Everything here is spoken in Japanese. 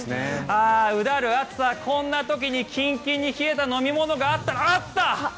あー、うだる暑さこんな時にキンキンに冷えた飲み物があったらあった！